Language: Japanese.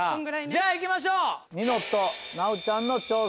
じゃあいきましょうニノと奈央ちゃんの挑戦。